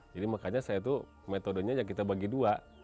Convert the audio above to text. jadi makanya saya tuh metodenya kita bagi dua